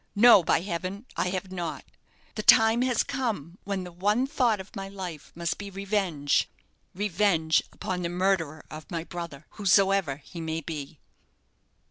No; by heaven! I have not. The time has come when the one thought of my life must be revenge revenge upon the murderer of my brother, whosoever he may be."